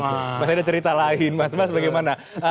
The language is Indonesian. mas ada cerita lain mas mas bagaimana